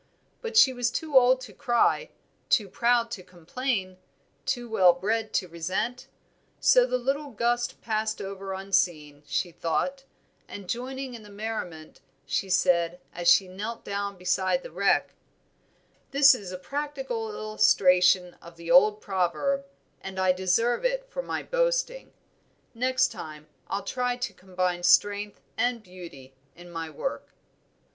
But she was too old to cry, too proud to complain, too well bred to resent, so the little gust passed over unseen, she thought, and joining in the merriment she said, as she knelt down beside the wreck "This is a practical illustration of the old proverb, and I deserve it for my boasting. Next time I'll try to combine strength and beauty in my work."